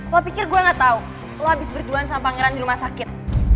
lo pikir gue gak tau lo abis berduaan sama pangeran di rumah sakit